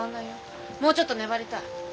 もうちょっと粘りたい。